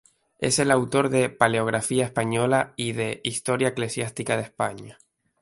Es el autor de "Paleografía española" y de "Historia eclesiástica de España".